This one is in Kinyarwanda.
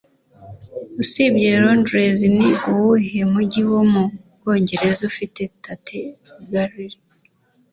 Usibye Londres ni uwuhe mujyi wo mu Bwongereza ufite Tate Gallery